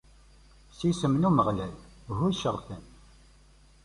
S yisem n Umeɣlal, ḥucceɣ-ten.